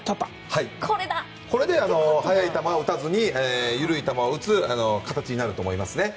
これで速い球を打たずに緩い球を打つ形になると思いますね。